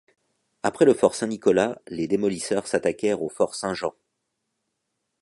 Après le fort Saint-Nicolas les démolisseurs s'attaquèrent au fort Saint-Jean.